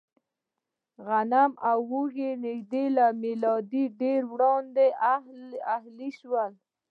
غنم او اوزې نږدې له مېلاده ډېر وړاندې اهلي شول.